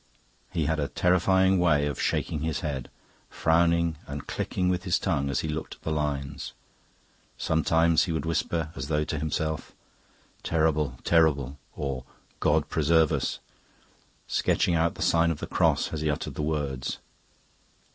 He had a terrifying way of shaking his head, frowning and clicking with his tongue as he looked at the lines. Sometimes he would whisper, as though to himself, "Terrible, terrible!" or "God preserve us!" sketching out the sign of the cross as he uttered the words.